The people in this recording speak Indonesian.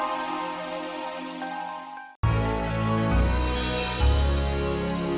aku mau keluar sama si kapu